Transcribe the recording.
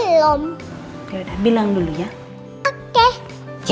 yaudah bilang dulu ya